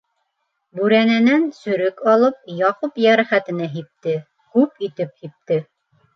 Бүрәнәнән сөрөк алып, Яҡуп йәрәхәтенә һипте, күп итеп һипте.